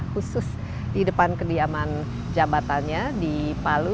khusus di depan kediaman jabatannya di palu